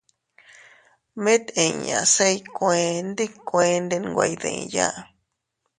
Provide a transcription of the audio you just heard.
Mit inña se iykuee ndi kuende nwe iydiya.